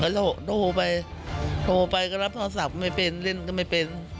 แล้วโทรไปโทรไปก็รับโทรศัพท์ไม่เป็นเล่นก็ไม่เป็น